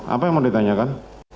apa yang mau ditanyakan